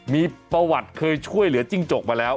มีประวัติเคยช่วยเหลือจิ้งจกมาแล้ว